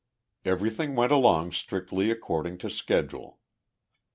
Everything went along strictly according to schedule.